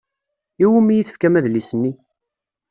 I wumi i tefkam adlis-nni?